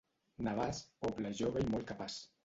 Navàs, poble jove i molt capaç.